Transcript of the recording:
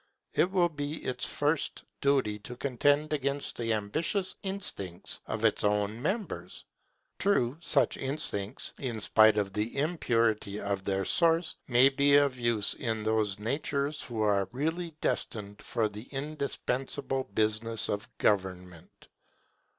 It will be its first duty to contend against the ambitious instincts of its own members. True, such instincts, in spite of the impurity of their source, may be of use in those natures who are really destined for the indispensable business of government.